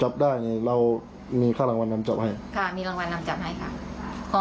จับได้นี่เรามีค่ารางวัลนำจับให้ค่ะมีรางวัลนำจับให้ค่ะ